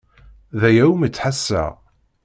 D aya umi ttḥassaɣ.